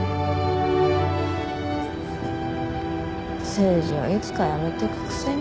誠治はいつか辞めてくくせに。